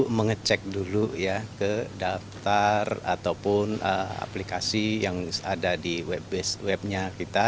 kita mengecek dulu ya ke daftar ataupun aplikasi yang ada di webnya kita